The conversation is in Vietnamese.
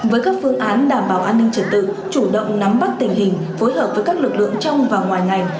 với các phương án đảm bảo an ninh trật tự chủ động nắm bắt tình hình phối hợp với các lực lượng trong và ngoài ngành